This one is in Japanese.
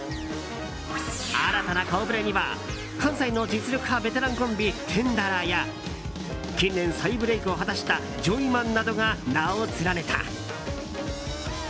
新たな顔ぶれには関西の実力派ベテランコンビテンダラーや近年、再ブレークを果たしたジョイマンなどが名を連ねた。